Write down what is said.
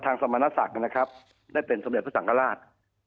สมณศักดิ์นะครับได้เป็นสมเด็จพระสังฆราช